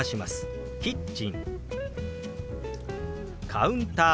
「カウンター」。